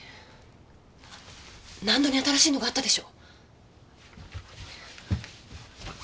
納戸に新しいのがあったでしょ。